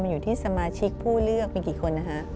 อยู่ที่สมาชิกผู้เลือกมีกี่คนนะฮะ